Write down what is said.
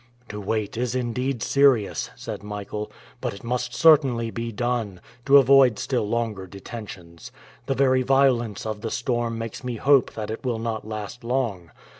"To wait is indeed serious," said Michael, "but it must certainly be done, to avoid still longer detentions. The very violence of the storm makes me hope that it will not last long.